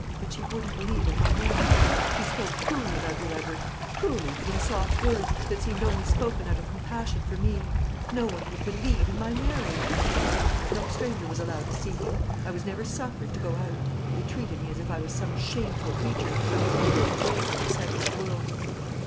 But she wouldn't believe in my marriage. She spoke cruelly about you, Edward; cruelly, but in soft words, that seemed only spoken out of compassion for me. No one would believe in my marriage. "No stranger was allowed to see me. I was never suffered to go out. They treated me as if I was some shameful creature, who must be hidden away from the sight of the world.